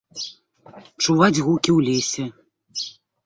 Чуваць гукі ў лесе.